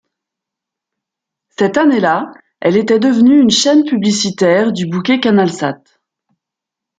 Cette année-là, elle était devenue une chaîne publicitaire du bouquet Canalsat.